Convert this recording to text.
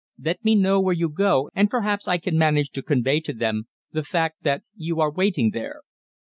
Let me know where you go, and perhaps I can manage to convey to them the fact that you are waiting there."